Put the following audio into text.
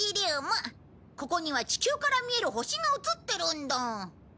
ここには地球から見える星が映ってるんだ。